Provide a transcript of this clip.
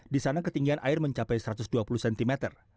di sana ketinggian air mencapai satu ratus dua puluh cm